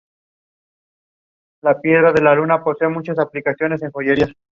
Recientemente, el uso del abulón enlatado en recetas ha aumentado en popularidad.